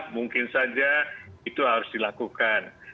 mungkin saja itu harus dilakukan